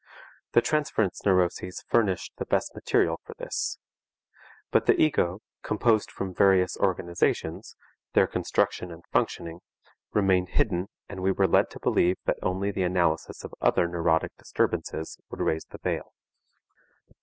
The transference neuroses furnished the best material for this. But the ego, composed from various organizations, their construction and functioning, remained hidden and we were led to believe that only the analysis of other neurotic disturbances would raise the veil.